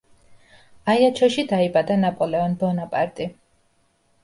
აიაჩოში დაიბადა ნაპოლეონ ბონაპარტი.